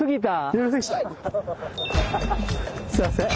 すいません。